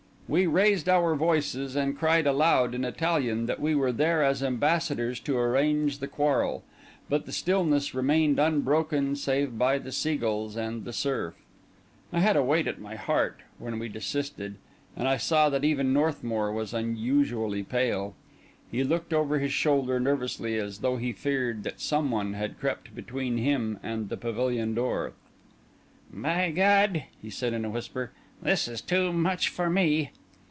We raised our voices, and cried aloud in Italian that we were there as ambassadors to arrange the quarrel; but the stillness remained unbroken save by the sea gulls and the surf. I had a weight at my heart when we desisted; and I saw that even Northmour was unusually pale. He looked over his shoulder nervously, as though he feared that some one had crept between him and the pavilion door. "By God," he said in a whisper, "this is too much for me!"